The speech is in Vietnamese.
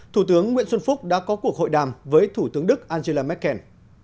thủ tướng nguyễn xuân phúc đã có cuộc hội đàm với thủ tướng đức angela merkel